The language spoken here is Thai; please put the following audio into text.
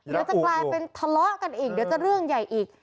เดี๋ยวจะกลายเป็นทะเลาะกันอีกเดี๋ยวจะเรื่องใหญ่อีก